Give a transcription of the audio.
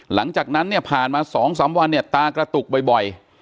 หลังจากนั้นเนี่ยผ่านมา๒๓วันเนี่ยตากระตุกบ่อย